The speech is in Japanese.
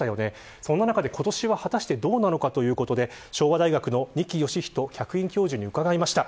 そんな中で、今年は果たしてどうなのかということで昭和大学の二木芳人客員教授に伺いました。